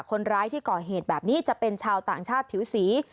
คนร้ายที่ก่อเหตุแบบนี้จะเป็นชาวต่างชาติผิวสี